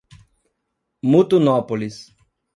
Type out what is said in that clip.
Mutunópolis